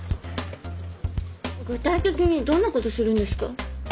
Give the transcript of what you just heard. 具体的にどんなことするんですか？